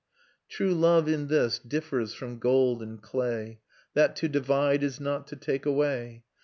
True love in this differs from gold and clay, That to divide is not to take away.